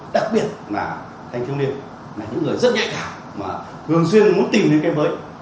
đặc biệt là thanh thiếu niên là những người rất nhạy cảm mà thường xuyên muốn tìm những cái mới